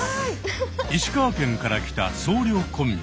石川県から来た僧侶コンビ。